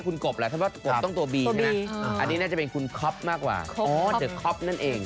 คุณขบครับ